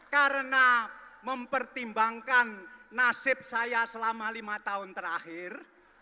karena mempertimbangkan nasib saya selama lima tahun terakhir